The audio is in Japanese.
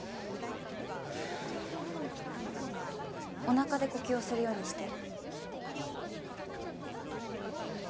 お腹で呼吸をするようにして。